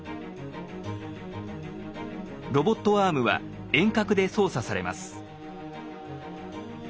ロボットアームは遠隔で操作されます。